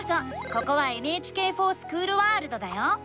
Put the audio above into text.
ここは「ＮＨＫｆｏｒＳｃｈｏｏｌワールド」だよ！